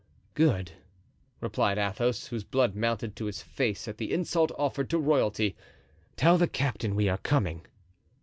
"Good," replied Athos, whose blood mounted to his face at the insult offered to royalty; "tell the captain we are coming."